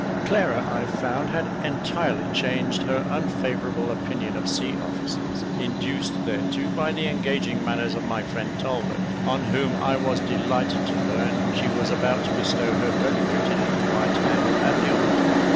Clara I found had entirely changed her unfavourable opinion of sea officers, induced thereto by the engaging manners of my friend Talbot, on whom I was delighted to learn she was about to bestow her very pretty little white hand at the altar.